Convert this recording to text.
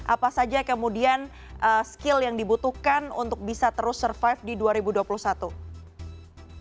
apa saja kemudian skill yang dibutuhkan untuk bisa terus survive di dua ribu dua puluh satu